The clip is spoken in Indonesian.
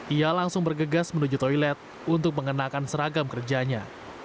ia langsung bergegas menuju toilet untuk mengenakan seragam kerjanya